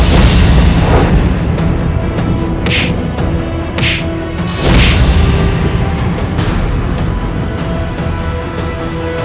yang mana gaan ke departemen iv